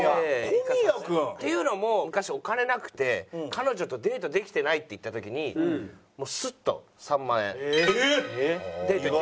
小宮君？っていうのも昔お金なくて彼女とデートできてないって言った時にもうスッと３万円「デート行ってきな」